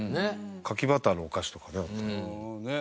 柿バターのお菓子とかねあると。